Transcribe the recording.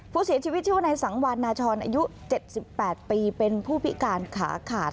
ผู้เสียชีวิตชื่อว่านายสังวานนาชรอายุ๗๘ปีเป็นผู้พิการขาขาด